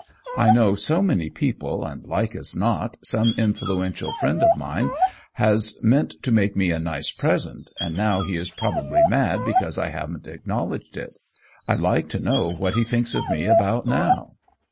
I know so many people, and, like as not, some influential friend of mine has meant to make me a nice present, and now he is probably mad because I haven't acknowledged it. I'd like to know what he thinks of me about now!"